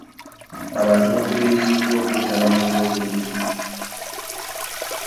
Abantu bakubiriziddwa okwetaba mu byobulimi.